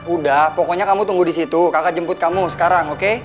udah pokoknya kamu tunggu di situ kakak jemput kamu sekarang oke